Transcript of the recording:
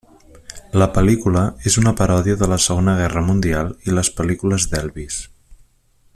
La pel·lícula és una paròdia de la Segona Guerra Mundial i les pel·lícules d'Elvis.